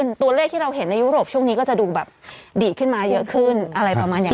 นี่นี่นี่นี่นี่นี่นี่นี่นี่นี่นี่